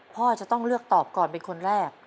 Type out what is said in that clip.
พ่อจะต้องเลือกตอบก่อนเป็นคนแรก